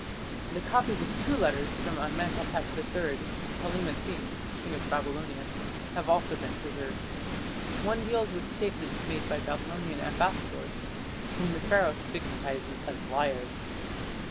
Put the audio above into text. The copies of two letters from Amenhotep III to Kallima Sin, King of Babylonia, had also been preserved. One deals with statements made by Babylonian ambassadors, whom the Pharaoh stigmatizes as liars.